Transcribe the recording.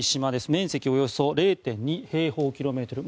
面積およそ０．２平方キロメートル。